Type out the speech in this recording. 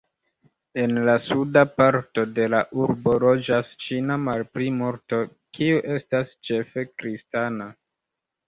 En la suda parto de la urbo loĝas ĉina malplimulto, kiu estas ĉefe kristana.